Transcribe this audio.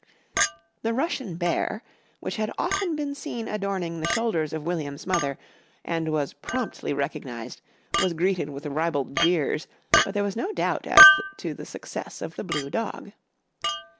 The Russian Bear, which had often been seen adorning the shoulders of William's mother and was promptly recognised, was greeted with ribald jeers, but there was no doubt as to the success of the Blue Dog.